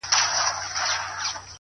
حقيقت ورو ورو پټيږي ډېر ژر